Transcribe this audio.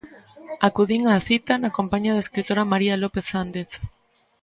Acudín á cita na compaña da escritora María López Sández.